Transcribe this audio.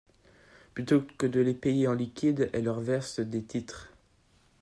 Plutôt que de les payer en liquide, elle leur verse des titres.